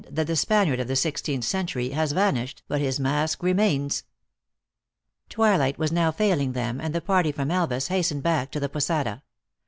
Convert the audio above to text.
801 that the Spaniard of the sixteenth century has vanish ed, but his mask remains." Twilight was now failing them, and the party from Elvas hastened back to the posada.